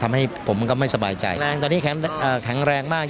ทำให้ผมก็ไม่สบายใจตอนนี้แข็งแรงมาก